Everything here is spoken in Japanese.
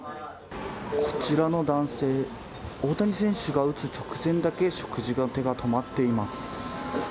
こちらの男性、大谷選手が打つ直前だけ、食事の手が止まっています。